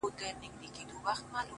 طبله; باجه; منگی; سیتار; رباب; ه یاره;